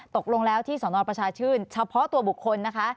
ตกลงแล้วที่สนประชาชื่นเฉพาะตัวบุคคลนะคะ